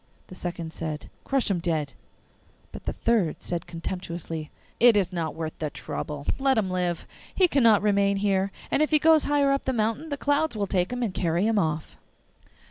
The second said, 'Crush him dead.' But the third said contemptuously, 'It is not worth the trouble! Let him live; he cannot remain here, and if he goes higher up the mountain the clouds will take him and carry him off.